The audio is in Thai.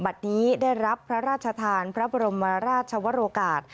นี้ได้รับพระราชทานพระบรมราชวรกาศ